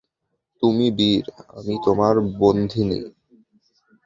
তুমি বীর, আমি তোমার বন্দিনী।